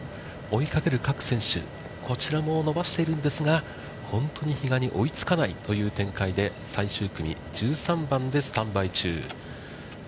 追いかける各選手、こちらも伸ばしているんですが、本当に比嘉に追いつかないという展開で最終組、１３番でスタンバイ中。